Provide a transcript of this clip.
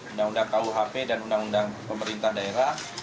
undang undang kuhp dan undang undang pemerintah daerah